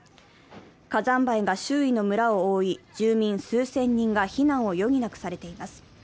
火山灰が周囲の村を多い、住民数千人が非難を余儀なくされています。